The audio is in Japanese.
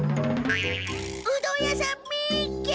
うどん屋さん見っけ！